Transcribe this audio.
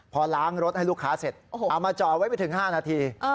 พอล้างรถให้ลูกค้าเสร็จเอามาจ่อไว้ไม่ถึง๕นาที